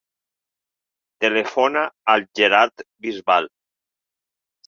Telefona al Gerard Bisbal.